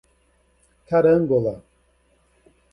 Carangola